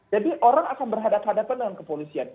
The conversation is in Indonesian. jadi orang akan berhadapan hadapan dengan kepolisian